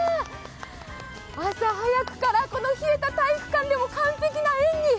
朝早くからこの冷えた体育館でも完璧な演技！